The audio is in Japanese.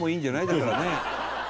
だからね」